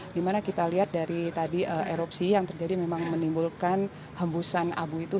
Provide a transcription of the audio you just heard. dimana kita lihat dari tadi erupsi yang terjadi memang menimbulkan hembusan abu itu